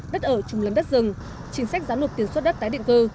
đất ở trùng lấn đất rừng chính sách giám luộc tiền suất đất tái định cư